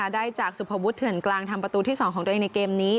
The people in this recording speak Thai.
ได้จากสุภวุฒิเถื่อนกลางทำประตูที่๒ของตัวเองในเกมนี้